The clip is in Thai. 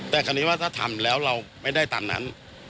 แต่ว่าถ้ามาสิ่งที่ทำเราไม่ได้ตามนนั้น